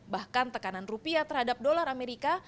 bahkan tekanan rupiah terhadap dolar amerika